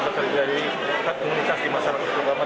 komisi peserta dari komunitas di masyarakat itu